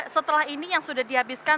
setelah ini yang sudah dihabiskan